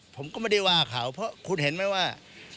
ผมก็ไม่ได้ว่าเขาเพราะคุณเห็นไหมว่า